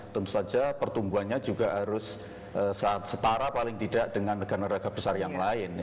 tentu saja pertumbuhannya juga harus setara paling tidak dengan negara negara besar yang lain